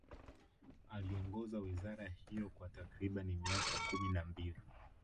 Aliongoza wizara hiyo kwa takriban miaka kumi na mbili